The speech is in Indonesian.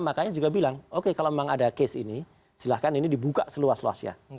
makanya juga bilang oke kalau memang ada case ini silahkan ini dibuka seluas luasnya